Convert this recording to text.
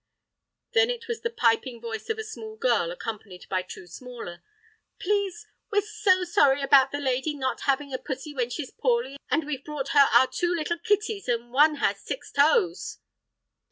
Then it was the piping voice of a small girl, accompanied by two smaller: "Please, we're so sorry about the lady not having a pussy when she's poorly, and we've brought her our two little kitties, an' one has six toes!"